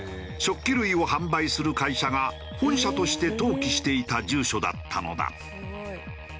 食器類を販売する会社が本社として登記していた住所だったのだ。